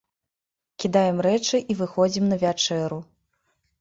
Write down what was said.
Кідаем рэчы і выходзім на вячэру.